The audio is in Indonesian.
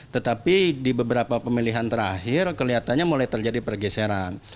tetapi di beberapa pemilihan terakhir kelihatannya mulai terjadi pergeseran